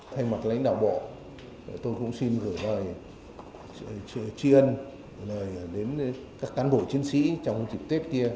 thay mặt lãnh đạo bộ tôi cũng xin gửi lời truyền lời đến các cán bộ chiến sĩ trong tết kia